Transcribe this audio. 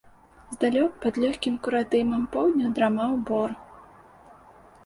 Здалёк, пад лёгкім курадымам поўдня, драмаў бор.